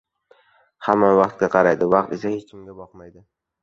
• Hamma vaqtga qaraydi, vaqt esa hech kimga boqmaydi.